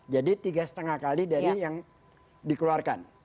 jadi tiga lima kali dari yang dikeluarkan